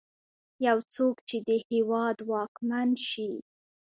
يو څوک چې د هېواد واکمن شي.